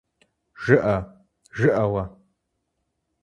ЖыӀэ, жыӀэ уэ…